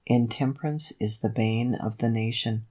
Intemperance is the bane of the nation.